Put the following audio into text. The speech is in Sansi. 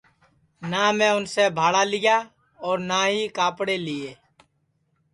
نہ میں اُنسے بھاڑا لیا اور نہ ہی کاپڑے لیئے